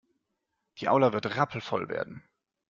Die Aula wird rappelvoll werden.